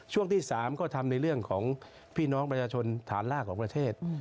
ช่วงที่๓ก็ทำในเรื่องของพี่น้องประชาชนฐานรากของประเทศ